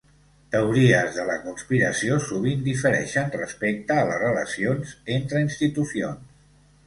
Teories de la conspiració sovint difereixen respecte a les relacions entre institucions.